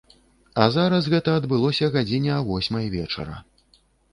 А зараз гэта адбылося гадзіне а восьмай вечара.